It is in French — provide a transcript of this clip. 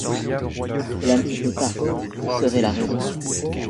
Cela ne se peut pas. Où serait la raison ?